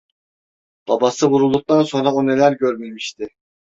Babası vurulduktan sonra o neler görmemişti?